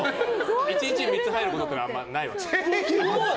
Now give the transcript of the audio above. １日３つ入ることはあんまりないわけ。